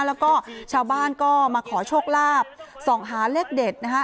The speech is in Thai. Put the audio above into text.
แล้วก็ชาวบ้านก็มาขอโชคลาภส่องหาเลขเด็ดนะคะ